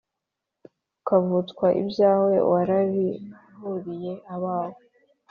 Ukavutswa ibyawe warabiruhiye Abawe